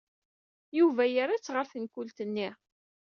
Yuba yerra-tt ɣer tenkult-nni.